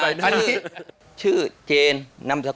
ไปเล่นที่โคลาสไป